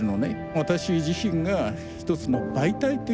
私自身が一つの媒体という意味をね